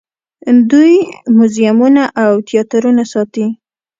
دوی موزیمونه او تیاترونه ساتي.